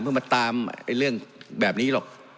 เพื่อมาตามเรื่องแบบนี้หรอก